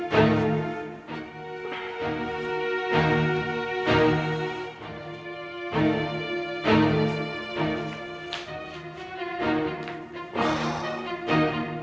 karena dia lagi bodoh ke